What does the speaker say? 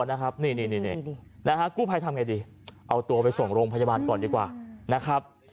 นี่นะฮะกู้ภัยทำไงดีเอาตัวไปส่งโรงพยาบาลก่อนดีกว่านะครับ